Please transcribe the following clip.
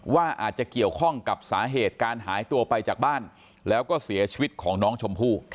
ว่าอาจจะเกี่ยวข้องกับสาเหตุการหายตัวไปจากบ้านแล้วก็เสียชีวิตของน้องชมพู่